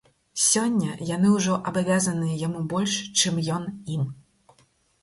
Сёння яны ўжо абавязаныя яму больш, чым ён ім.